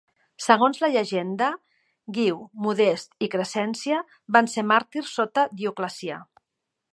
Segons la llegenda, Guiu, Modest i Crescència van ser màrtirs sota Dioclecià.